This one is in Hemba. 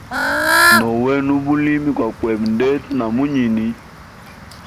No wena ubulimi kwa kweba ndete na munyini.